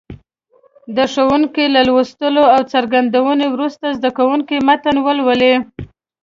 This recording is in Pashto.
د ښوونکي له لوستلو او څرګندونو وروسته زده کوونکي متن ولولي.